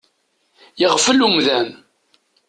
Yeɣfel umdan.